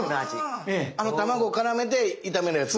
あの卵からめて炒めるやつ？